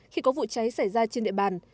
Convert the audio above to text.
khi có vụ cháy xảy ra trên địa bàn